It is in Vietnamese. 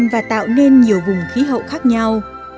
và tạo nên nhiều vùng khí hậu khác nhau